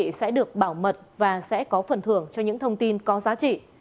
quý vị sẽ được bảo mật và sẽ có phần thưởng cho những thông tin có giá trị